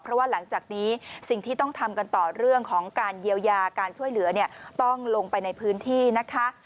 เพราะว่าหลังจากนี้สิ่งที่ต้องทำกันต่อเรื่องของการเยียวยาการช่วยเหลือเนี่ยต้องลงไปในพื้นที่นะคะ